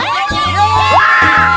cucu opa menang